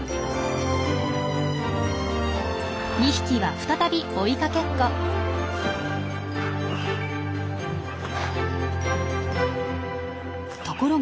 ２匹は再び追いかけっこ。